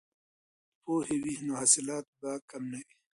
که ښځې زراعت پوهې وي نو حاصلات به کم نه وي.